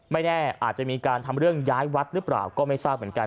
แน่อาจจะมีการทำเรื่องย้ายวัดหรือเปล่าก็ไม่ทราบเหมือนกัน